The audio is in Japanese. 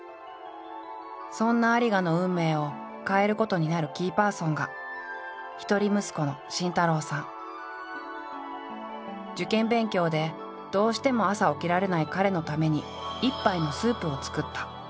そんな有賀の運命を変えることになるキーパーソンが一人息子の受験勉強でどうしても朝起きられない彼のために１杯のスープを作った。